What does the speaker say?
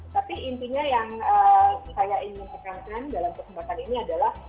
tapi intinya yang saya ingin tekankan dalam kesempatan ini adalah